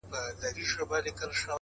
د حقیقت ملګری وېره نه لري؛